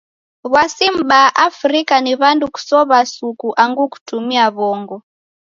W'asi mbaa Afrika ni w'andu kusow'a suku angu kutumia w'ongo.